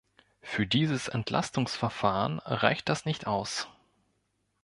Für dieses Entlastungsverfahren reicht das nicht aus.